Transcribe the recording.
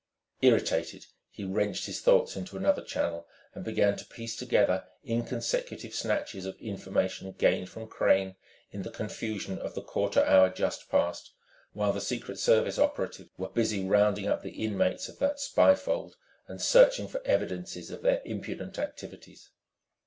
Irritated, he wrenched his thoughts into another channel, and began to piece together inconsecutive snatches of information gained from Crane in the confusion of the quarter hour just past, while the Secret Service operatives were busy rounding up the inmates of that spy fold and searching for evidences of their impudent activities.